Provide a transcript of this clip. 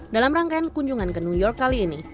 dalam rangkaian kunjungan ke new york kali ini